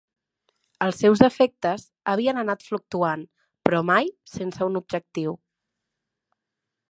Els seus afectes havien anat fluctuant, però mai sense un objectiu.